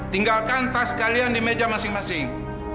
tinggalkan tas kalian di meja masing masing